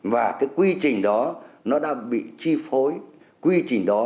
và cái quy trình đó nó đang bị chi phối